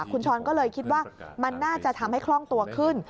คุณช้อนก็เลยคิดว่ามันน่าจะทำให้คล่องตัวขึ้น